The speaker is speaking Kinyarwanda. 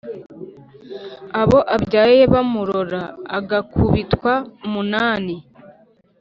Abo abyaye bamurora, agakubitwa umunani